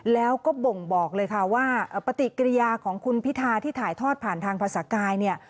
แล้วก็บ่งบอกเลยค่ะว่าปฏิกิริยาของคุณพิธาที่ถ่ายทอดผ่านทางภาษากายเนี่ย